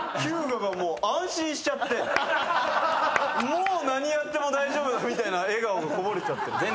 もう何やっても大丈夫みたいな笑顔がこぼれてる。